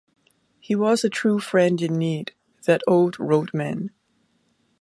He was a true friend in need, that old roadman.